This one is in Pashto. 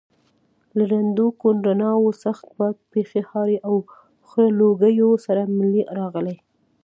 له ړندونکو رڼاوو، سخت باد، پښې هارې او خړو لوګیو سره ملې راغلې.